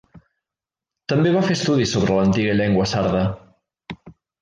També va fer estudis sobre l'antiga llengua sarda.